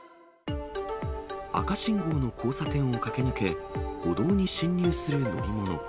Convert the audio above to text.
赤信号の交差点を駆け抜け、歩道に進入する乗り物。